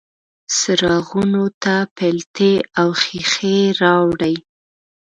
څراغونو ته پیلتې او ښیښې راوړي